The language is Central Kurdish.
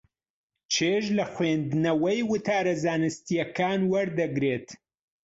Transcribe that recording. چێژ لە خوێندنەوەی وتارە زانستییەکان وەردەگرێت.